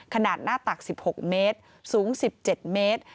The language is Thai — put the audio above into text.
ขนาดหน้าตัก๑๖เมตรสูง๑๗เมตร